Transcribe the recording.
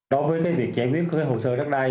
đối với việc giải quyết hồ sơ đất đai